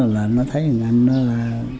là nó thấy thằng anh nó là